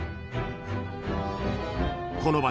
［この場所